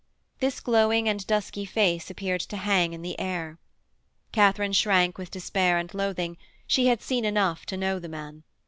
This glowing and dusky face appeared to hang in the air. Katharine shrank with despair and loathing: she had seen enough to know the man.